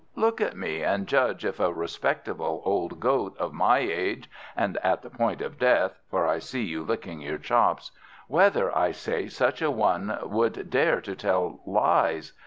Look at me and judge if a respectable old Goat of my age, and at the point of death for I see you licking your chops whether, I say, such a one would dare to tell lies.